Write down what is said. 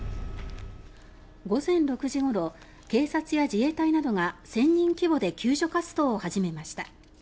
午前６時ごろ警察や自衛隊などが１０００人規模で救助活動を始めました。